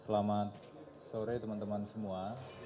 selamat sore teman teman semua